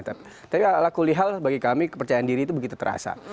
tapi ala kulihal bagi kami kepercayaan diri itu begitu terasa